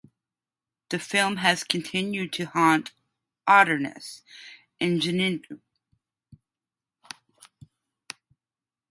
The film has continued to haunt Otterness, engendering continued controversy.